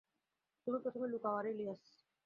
তুমি প্রথমে লুকাও আরে ইলিয়াস।